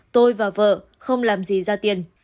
tôi và vợ không làm gì ra tiền